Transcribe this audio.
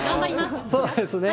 そうなんですね。